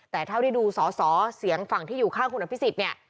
แต่เท่าที่ดูสอสอเสียงฝั่งที่อยู่ข้างคุณอภิษฎเนี่ย